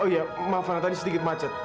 oh iya maaf ana tadi sedikit macet